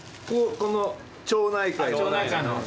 この町内会の。